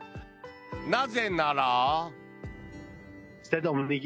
なぜなら。